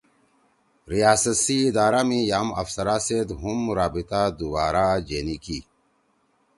ریاست سی ادارہ می یام افسرا سیت ہُم رابطہ دوبارہ جینی کی۔